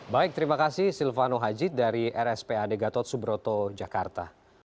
baik terima kasih silvano haji dari rspad gatot subroto jakarta